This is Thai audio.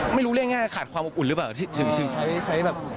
ไม่รู้เรียกง่ายขาดความอบอุ่นหรือเปล่า